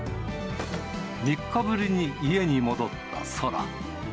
３日ぶりに家に戻った宙。